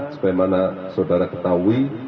supaya mana saudara ketahui